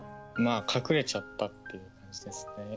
隠れちゃったっていう感じですね。